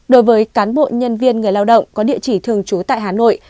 đối với cán bộ nhân viên người lao động có địa chỉ thường trú tại hà nội